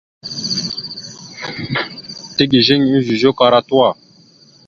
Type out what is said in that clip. Tigizeŋ ezœzœk ara tuwa.